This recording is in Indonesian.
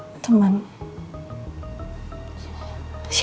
ada ma temen aku sendiri